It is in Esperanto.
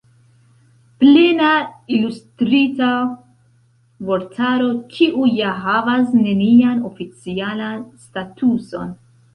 Plena Ilustrita Vortaro, kiu ja havas nenian oficialan statuson!